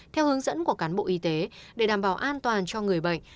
theo hướng dẫn của cán bộ y tế để đảm bảo an toàn cho người bệnh